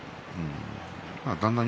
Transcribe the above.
だんだん